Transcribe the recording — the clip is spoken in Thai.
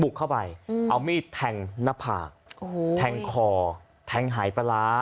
เข้าไปเอามีดแทงหน้าผากแทงคอแทงหายปลาร้า